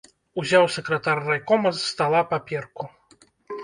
Узяў сакратар райкома з стала паперку.